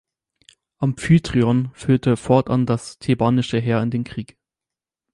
Amphitryon führte fortan das thebanische Heer in den Krieg.